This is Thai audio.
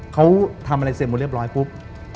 เขาทำอะไรเสร็จหมดเรียบร้อยปุ๊บ